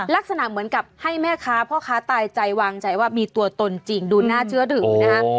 ลักษณะเหมือนกับให้แม่ค้าพ่อค้าตายใจวางใจว่ามีตัวตนจริงดูน่าเชื่อถือนะฮะ